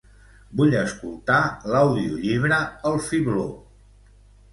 Vull escoltar l'audiollibre "El Fibló".